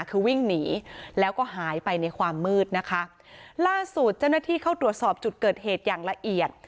คือวิ่งหนีแล้วก็หายไปในความมืดนะคะล่าสุดเจ้าหน้าที่เข้าตรวจสอบจุดเกิดเหตุอย่างละเอียด